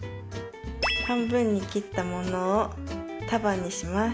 半分に切ったものを束にします。